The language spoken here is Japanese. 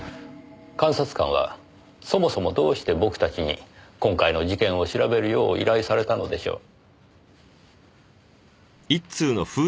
監察官はそもそもどうして僕たちに今回の事件を調べるよう依頼されたのでしょう？